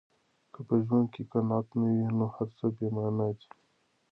که په ژوند کې قناعت نه وي، نو هر څه بې مانا دي.